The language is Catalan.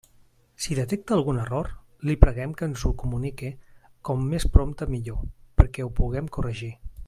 Si detecta algun error, li preguem que ens ho comunique com més prompte millor perquè ho puguem corregir.